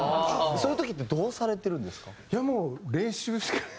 そういう時ってどうされてるんですか？